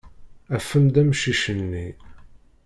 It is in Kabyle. Afem-d amcic-nni.